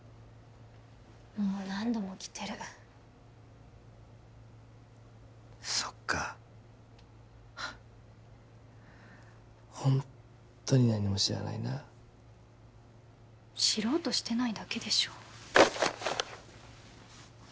もう何度も着てるそっかホントに何も知らないな知ろうとしてないだけでしょ